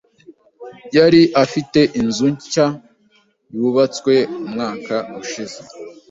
Yari afite inzu nshya yubatswe umwaka ushize.